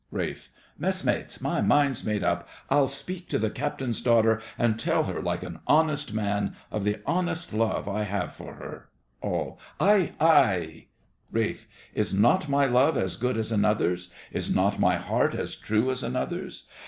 RALPH. Messmates, my mind's made up. I'll speak to the captain's daughter, and tell her, like an honest man, of the honest love I have for her. ALL. Aye, aye! RALPH. Is not my love as good as another's? Is not my heart as true as another's?